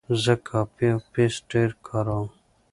زه کاپي او پیسټ ډېر کاروم.